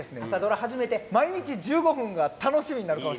毎日１５分が楽しみになるかも。